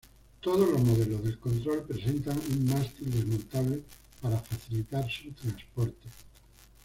Todos los modelos del control presentan un mástil desmontable para facilitar su transporte.